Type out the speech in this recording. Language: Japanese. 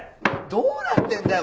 どうなってんだよ？